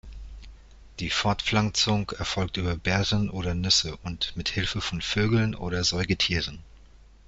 Die Fortpflanzung erfolgt über Beeren oder Nüsse, und mit Hilfe von Vögeln oder Säugetieren.